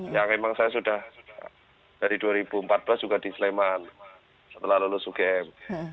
yang memang saya sudah dari dua ribu empat belas juga di sleman setelah lulus ugm